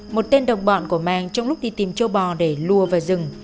một tên đồng bọn của mang trong lúc đi tìm châu bò để lùa vào rừng